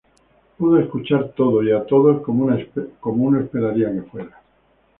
Puedo escuchar todo y a todos como uno esperaría que fuera".